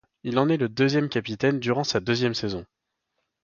Il en est le capitaine durant sa deuxième saison.